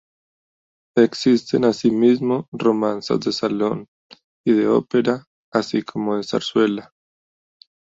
Existen así mismo romanzas de salón y de ópera así como de zarzuela.